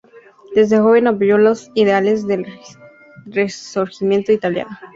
Desde joven apoyó los ideales del Risorgimento italiano.